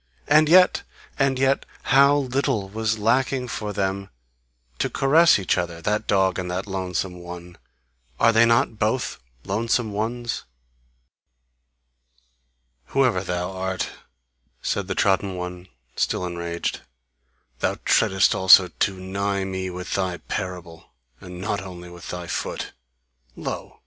And yet! And yet how little was lacking for them to caress each other, that dog and that lonesome one! Are they not both lonesome ones!" "Whoever thou art," said the trodden one, still enraged, "thou treadest also too nigh me with thy parable, and not only with thy foot! Lo!